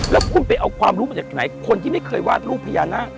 แล้วคุณไปเอาความรู้มาจากไหนคนที่ไม่เคยวาดรูปพญานาค